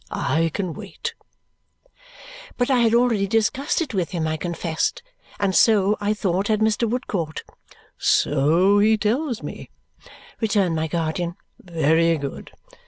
I can wait." But I had already discussed it with him, I confessed; and so, I thought, had Mr. Woodcourt. "So he tells me," returned my guardian. "Very good.